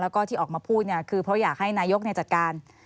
แล้วก็ที่ออกมาพูดคือเพราะอยากให้นายกจัดการ